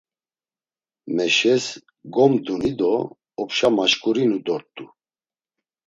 Meşes gomduni do opşa maşǩurinu dort̆u.